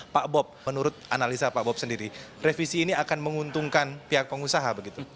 pak bob menurut analisa pak bob sendiri revisi ini akan menguntungkan pihak pengusaha begitu